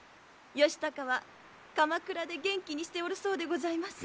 義高は鎌倉で元気にしておるそうでございます。